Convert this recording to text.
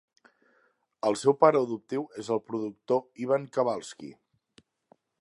El seu pare adoptiu és el productor Ivan Kavalsky.